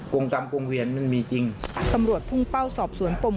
กลงตำภูเขียนมันมีจริงสำรวจพุ่งเป้าสอบสวนปรบ